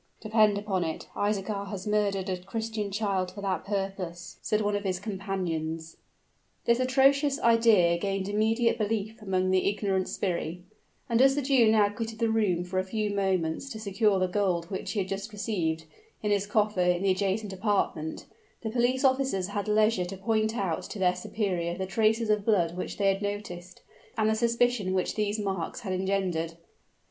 "Depend upon it. Isaachar has murdered a Christian child for that purpose!" said one of his companions. This atrocious idea gained immediate belief among the ignorant sbirri; and as the Jew now quitted the room for a few moments to secure the gold which he had just received, in his coffer in the adjacent apartment, the police officers had leisure to point out to their superior the traces of blood which they had noticed, and the suspicion which these marks had engendered.